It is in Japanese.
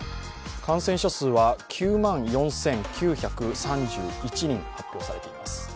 感染者数は９万４９３１人と発表されています。